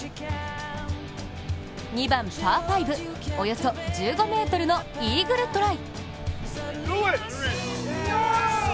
２番・パー５、およそ１５ｍのイーグルトライ。